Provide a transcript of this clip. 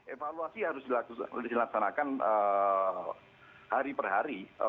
evaluasi harus dilaksanakan hari per hari